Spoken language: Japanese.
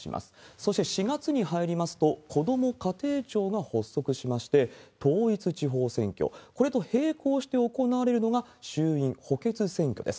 そして４月に入りますと、こども家庭庁が発足しまして、統一地方選挙、これと並行して行われるのが衆院補欠選挙です。